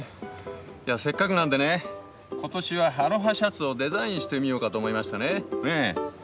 せっかくなんでね今年はアロハシャツをデザインしてみようかと思いましてね。